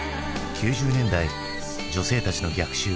９０年代女性たちの逆襲。